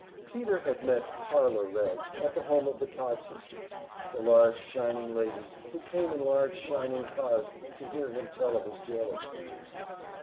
Peter had met "Parlor Reds" at the home of the Todd sisters; the large shining ladies who came in large shining cars to hear him tell of his jail experiences.